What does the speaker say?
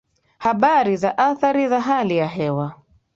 Habari za Athari za Hali ya Hewa